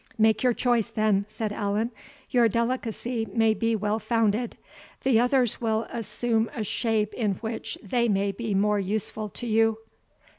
"Make your choice, then," said Allan; "your delicacy may be well founded; the others will assume a shape in which they may be more useful to you."